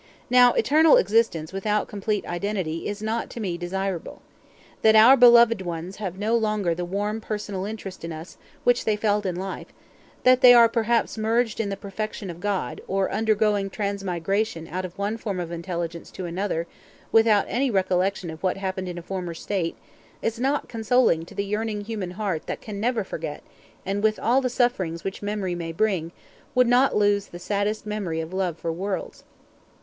"Now, eternal existence without complete identity is not to me desirable. That our beloved ones no longer have the warm personal interest in us which they felt in life that they are perhaps merged in the perfection of God, or undergoing transmigration out of one form of intelligence to another, without any recollection of what happened in a former state, is not consoling to the yearning human heart that never can forget, and with all the sufferings which memory may bring, would not lose the saddest memory of love for worlds.